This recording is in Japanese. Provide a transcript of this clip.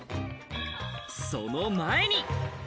その前に。